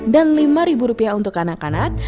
dan lima rupiah untuk anak anak